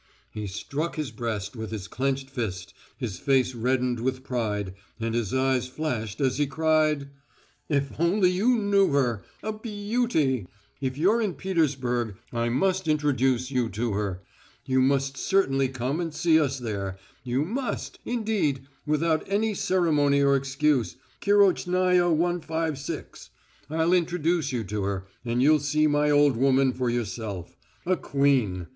He struck his breast with his clenched fist, his face reddened with pride, and his eyes flashed, as he cried: "If only you knew her! A be eauty! If you're in Petersburg I must introduce you to her. You must certainly come and see us there, you must, indeed, without any ceremony or excuse, Kirochnaya 156. I'll introduce you to her, and you'll see my old woman for yourself. A Queen!